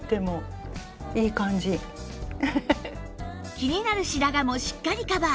気になる白髪もしっかりカバー